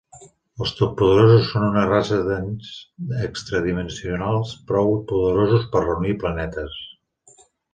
Els totpoderosos són una raça d'ens extradimensionals prou poderosos per reunir planetes.